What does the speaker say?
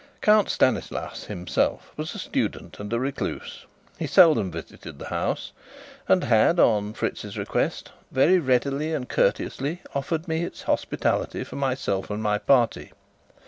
Count Stanislas himself was a student and a recluse. He seldom visited the house, and had, on Fritz's request, very readily and courteously offered me its hospitality for myself and my party.